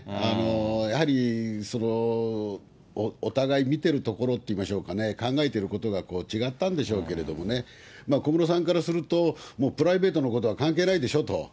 やはり、お互い見てるところと言いましょうかね、考えていることが違ったんでしょうけれどもね、小室さんからすると、もうプライベートのことは関係ないでしょと。